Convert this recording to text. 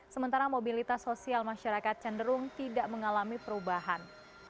sementara mobilitas sosial masyarakat cenderung tidak mengalami perubahan